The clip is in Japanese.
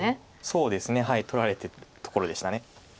そうですね取られてたところでした。